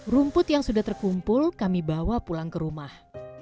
rumput yang sudah terkumpul kami bawa pulang ke rumah